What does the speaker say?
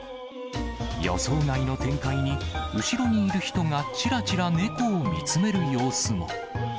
予想外の展開に、後ろにいる人がちらちら猫を見つめる様子も。